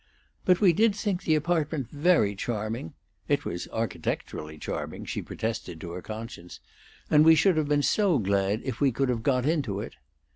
"But we did think the apartment very charming", (It was architecturally charming, she protested to her conscience), "and we should have been so glad if we could have got into it."